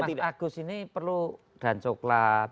jadi mas agus ini perlu dan coklat